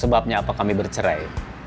sebabnya apa kami bercerai